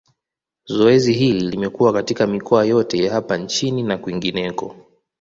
Zoezi hili limekuwa katika mikoa yote hapa nchini na kwingineko